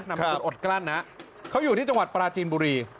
อำเภออดกลั้นนะเขาอยู่ที่จังหวัดปราจีนบุรี